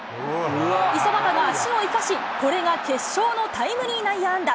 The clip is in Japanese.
五十幡が足を生かし、これが決勝のタイムリー内野安打。